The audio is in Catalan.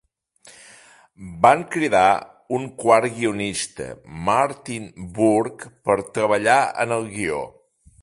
Van cridar un quart guionista, Martyin Burke, per treballar en el guió.